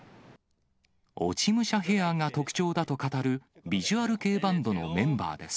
落ち武者ヘアが特徴だと語る、ビジュアル系バンドのメンバーです。